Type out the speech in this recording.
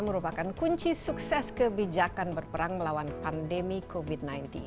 merupakan kunci sukses kebijakan berperang melawan pandemi covid sembilan belas